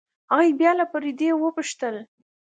هغې بيا له فريدې وپوښتل.